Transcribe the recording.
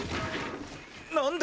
何だ？